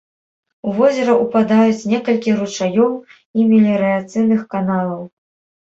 У возера ўпадаюць некалькі ручаёў і меліярацыйных каналаў.